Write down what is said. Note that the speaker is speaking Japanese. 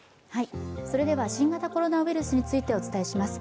それでは新型コロナウイルスについてお伝えします。